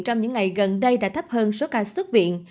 trong những ngày gần đây đã giảm xuống còn bốn mươi bốn ca